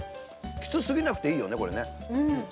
きつすぎなくていいよね。